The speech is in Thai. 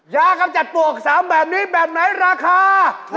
อยากหลับจัดบวก๓แบบนี่แบบไหนราคา